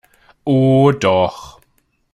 Oh doch!